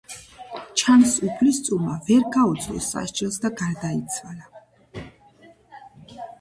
ჩანს, უფლისწულმა ვერ გაუძლო სასჯელს და გარდაიცვალა.